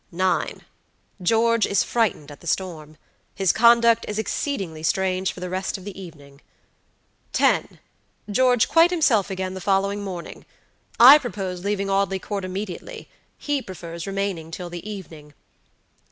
"9. George is frightened at the storm. His conduct is exceedingly strange for the rest of the evening." "10. George quite himself again the following morning. I propose leaving Audley Court immediately; he prefers remaining till the evening."